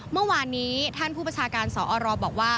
เมื่อวานนี้ท่านผู้ประชาการสอรบอกว่า